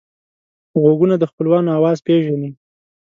غوږونه د خپلوانو آواز پېژني